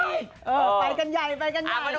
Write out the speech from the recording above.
ไปกันใหญ่